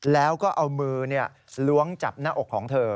แล้วก็เอามือล้วงจับหน้าอกของเธอ